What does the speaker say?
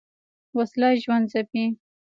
وسله ژوند ځپي